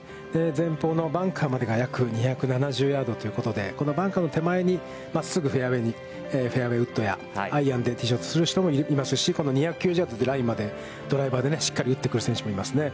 前方のバンカーまでが約２７０ヤードということで、このバンカーの手前に真っすぐフェアウェイウッドやアイアンでティーショットする人もいますし、この２９０ヤードというラインまでドライバーでしっかり打ってくる選手もいますね。